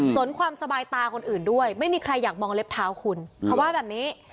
สนความสบายตาคนอื่นด้วยไม่มีใครอยากมองเล็บเท้าคุณเขาว่าแบบนี้